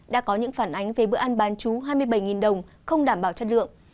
đã có những phản ánh về bữa ăn bán chú hai mươi bảy đồng không đảm bảo chất lượng